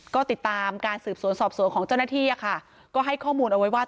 ก็ติดตามการสืบสวนสอบสวนของเจ้าหน้าที่อะค่ะก็ให้ข้อมูลเอาไว้ว่า